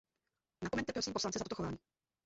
Napomeňte, prosím, poslance za toto chování.